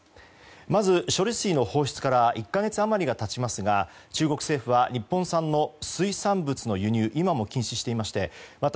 まず、処理水の放出から１か月余りが経ちますが中国政府は、日本産の水産物の輸入を今も禁止していましてまた